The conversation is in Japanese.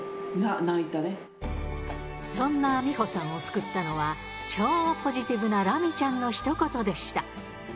そんな美保さんを作ったのは、超ポジティブなラミちゃんのひと言でした。